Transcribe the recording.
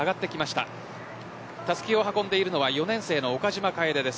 たすきを運んでいるの４年生の岡島です。